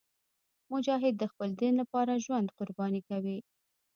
مجاهد د خپل دین لپاره ژوند قرباني کوي.